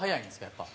やっぱ。